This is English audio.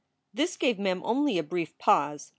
This gave Mem only a brief pause.